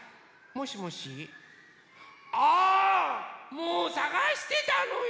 もうさがしてたのよ。